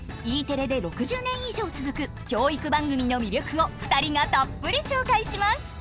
Ｅテレで６０年以上続く教育番組の魅力を２人がたっぷり紹介します！